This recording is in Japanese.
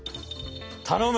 頼む。